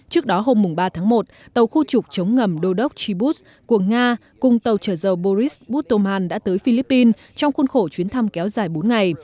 trước đó hôm ba tháng một tàu khu trục chống ngầm đô đốc chibus của nga cùng tàu trở dầu boris busoman đã tới philippines trong khuôn khổ chuyến thăm kéo dài bốn ngày